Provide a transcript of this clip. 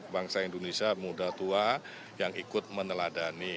bangsa indonesia muda tua yang ikut meneladani